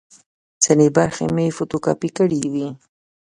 ځینې برخې مې فوټو کاپي کړې وې.